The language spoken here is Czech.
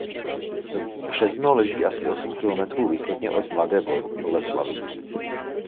Březno leží asi osm kilometrů východně od Mladé Boleslavi.